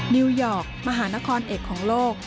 นิวยอร์กมหานครเอกของโลก